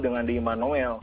dengan di immanuel